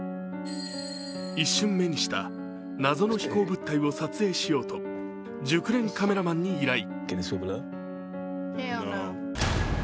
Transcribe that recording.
一瞬、目にした謎の飛行物体を撮影しようと熟練カメラマンに依頼。